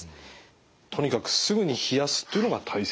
とにかくすぐに冷やすっていうのが大切だと。